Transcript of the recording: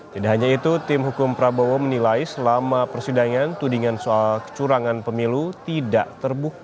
tidak hanya itu tim hukum prabowo menilai selama persidangan tudingan soal kecurangan pemilu tidak terbukti